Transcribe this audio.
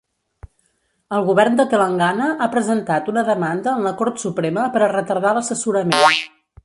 El govern de Telangana ha presentat una demanda en la Cort Suprema per a retardar l'assessorament.